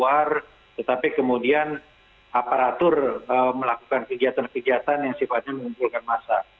keluar tetapi kemudian aparatur melakukan kegiatan kegiatan yang sifatnya mengumpulkan massa